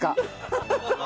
ハハハハッ。